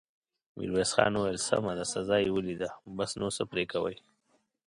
ميرويس خان وويل: سمه ده، سزا يې وليده، بس، نور څه پرې کوې!